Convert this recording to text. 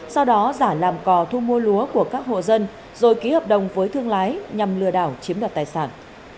sau đó giả làm cò thu mua lúa của các hộ dân rồi ký hợp đồng với thương lái nhằm lừa đảo chiếm đoạt tài sản